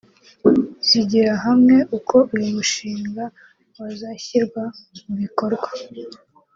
zigira hamwe uko uyu mushinga wazashyirwa mu bikorwa